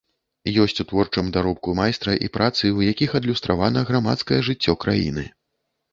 Ёсць у творчым даробку майстра і працы, у якіх адлюстравана грамадскае жыццё краіны.